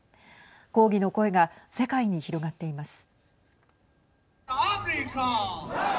抗議の声が世界に広がっています。